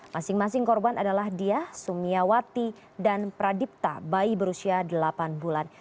masing masing korban adalah dia sumiawati dan pradipta bayi berusia delapan bulan